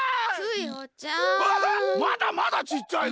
まだまだちっちゃいぞ？